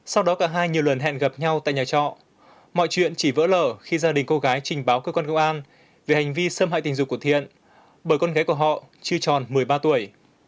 sau đó cả hai nhiều lần hẹn gặp nhau tại nhà trọ mọi chuyện chỉ vỡ lở khi gia đình cô gái trình báo cơ quan công an về hành vi xâm hại tình dục của thiện bởi con gái của họ chưa tròn một mươi ba tuổi